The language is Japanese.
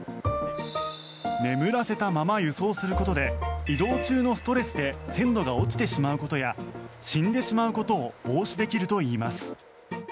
眠らせたまま輸送することで移動中のストレスで鮮度が落ちてしまうことや死んでしまうことを防止できるといいます。